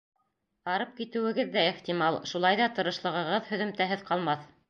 Арып китеүегеҙ ҙә ихтимал, шулай ҙа тырышлығығыҙ һөҙөмтәһеҙ ҡалмаҫ.